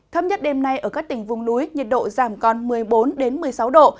thấp nhất đêm nay ở các tỉnh vùng núi nhiệt độ giảm còn một mươi bốn một mươi sáu độ